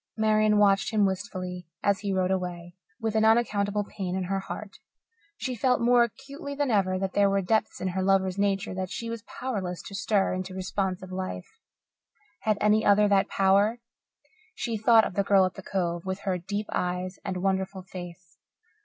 Marian watched him wistfully as he rode away, with an unaccountable pain in her heart. She felt more acutely than ever that there were depths in her lover's nature that she was powerless to stir into responsive life. Had any other that power? She thought of the girl at the Cove, with her deep eyes and wonderful face.